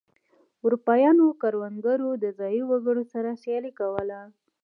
اروپايي کروندګرو د ځايي وګړو سره سیالي کوله.